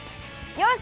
よし！